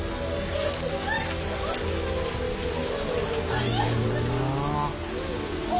大変だな。